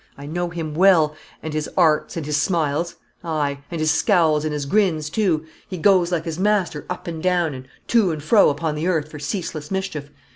I know him well, and his arts and his smiles; aye, and his scowls and his grins, too. He goes, like his master, up and down, and to and fro upon the earth, for ceaseless mischief.